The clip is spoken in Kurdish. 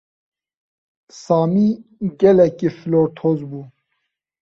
Samî gelekî flortoz bû.